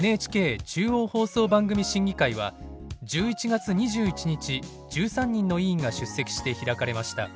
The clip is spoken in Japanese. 第６９７回のＮＨＫ中央放送番組審議会は１１月２１日１３人の委員が出席して開かれました。